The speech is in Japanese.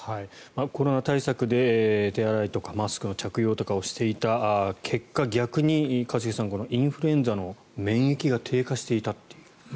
コロナ対策で手洗いとかマスクの着用とかをしていた結果逆に一茂さんインフルエンザの免疫が低下していたと。